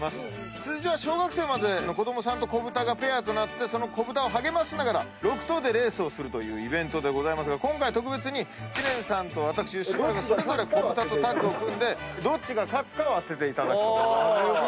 通常は小学生までの子供さんと子豚がペアとなってその子豚を励ましながら６頭でレースをするというイベントですが今回特別に知念さんと私吉村がそれぞれ子豚とタッグを組んでどっちが勝つかを当てていただくと。